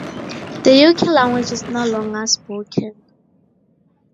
The Yuki language is no longer spoken.